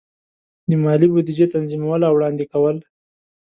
د مالی بودیجې تنظیمول او وړاندې کول.